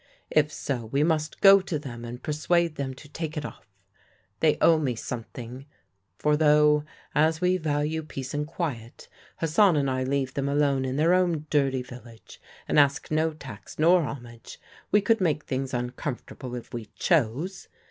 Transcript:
'If so, we must go to them and persuade them to take it off. They owe me something; for though, as we value peace and quiet, Hassan and I leave them alone in their own dirty village and ask no tax nor homage, we could make things uncomfortable if we chose.